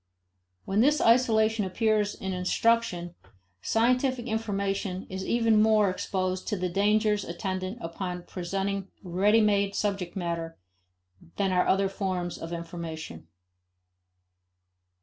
When this isolation appears in instruction, scientific information is even more exposed to the dangers attendant upon presenting ready made subject matter than are other forms of information.